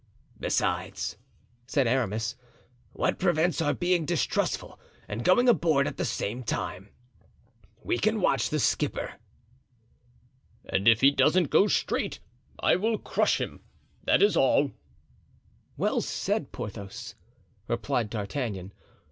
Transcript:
"Besides," said Aramis, "what prevents our being distrustful and going aboard at the same time? We can watch the skipper." "And if he doesn't go straight I will crush him, that's all." "Well said, Porthos," replied D'Artagnan.